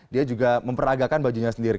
dia juga memperagakan bajunya sendiri